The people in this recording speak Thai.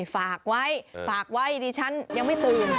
ฝากไว้ฝากไว้ดิฉันยังไม่ตื่น